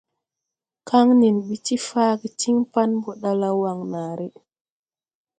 Kaŋ nen mbi ti faage tiŋ pan ɓɔ ɗala Waŋnaare.